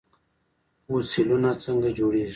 فوسیلونه څنګه جوړیږي؟